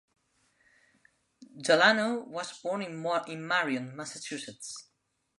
Delano was born in Marion, Massachusetts.